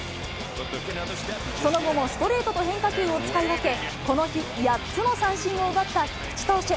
その後もストレートと変化球を使い分け、この日、８つの三振を奪った菊池投手。